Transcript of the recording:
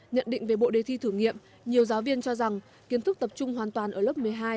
nhận định về bộ đề thi thử nghiệm nhiều giáo viên cho rằng kiến thức tập trung hoàn toàn ở lớp một mươi hai